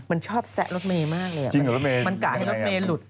มันชอบแสะรถเมย์มากเลยอะมันกะให้รถเมย์หลุด